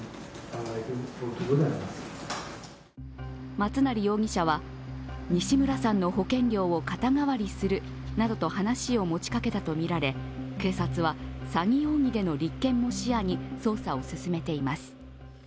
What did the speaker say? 松成容疑者は、西村さんの保険料を肩代わりするなどと話を持ちかけたとみられ警察は詐欺容疑での立件も視野に捜査を進めています。